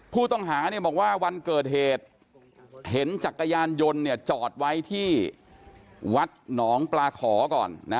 ผู้ต้องหาบอกว่าวันเกิดเหตุเห็นจักรยานยนต์จอดไว้ที่วัดหนองปลาขอก่อนนะ